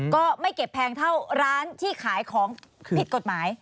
ก็ไม่เก็บแพงเท่าร้านที่ขายของผิดกฎหมาย